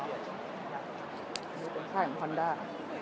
มันเป็นค่ายของฮอนด้า